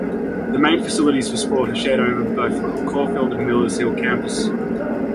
The main facilities for sport are shared over both Caulfield and Wheelers Hill campus.